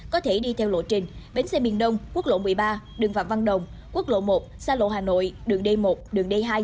có thể đi theo lộ trình bến xe miền đông quốc lộ một mươi ba đường phạm văn đồng quốc lộ một xa lộ hà nội đường d một đường d hai